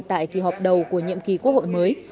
tại kỳ họp đầu của nhiệm kỳ quốc hội mới